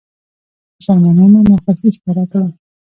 مسلمانانو ناخوښي ښکاره کړه.